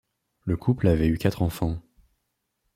Le couple avait eu quatre enfants.